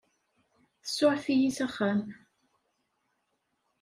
Tsuɛef-iyi s axxam.